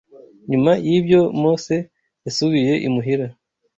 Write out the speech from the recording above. Nyuma y’ibyo Mose yasubiye imuhira